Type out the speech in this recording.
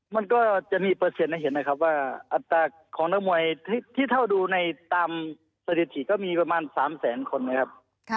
มันก็จะมีเปอร์เซ็นต์ให้เห็นนะครับว่าอัตราของนักมวยที่เท่าดูในตามสถิติก็มีประมาณ๓แสนคนนะครับ